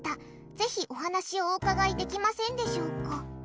ぜひ、お話をお伺いできませんでしょうか。